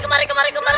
sini dari kamar